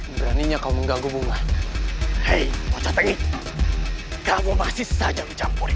beraninya kau mengganggu bunga hai kocotengi kamu masih saja mencampur